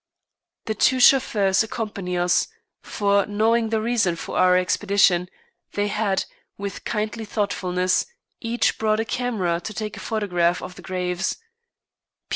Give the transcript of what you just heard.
The two chauffeurs accompany us, for knowing the reason for our expedition, they had, with kindly thoughtfulness, each brought a camera to take a photograph of the graves.